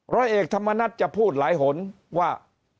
ร้อยเอกธรรมนัฐจะพูดหลายหนว่า